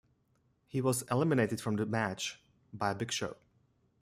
He was eliminated from the match by Big Show.